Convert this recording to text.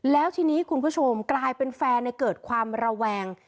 แล้วทีนี้คุณผู้ชมกลายเป็นแฟนเกิดความระแวง